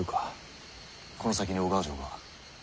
この先に小川城が。